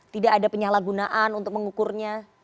tidak ada penyalahgunaan untuk mengukurnya